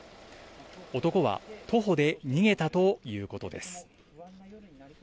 男は徒歩で逃げたということです。